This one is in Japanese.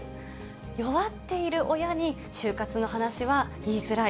弱っている親に終活の話は言いづらい。